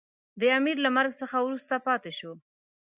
د امیر له مرګ څخه وروسته پاته شو.